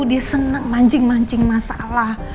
dia senang mancing mancing masalah